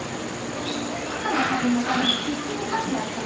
赤の他人のために必死に家事やってる。